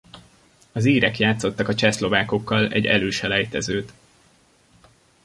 Az írek játszottak a csehszlovákokkal egy előselejtezőt.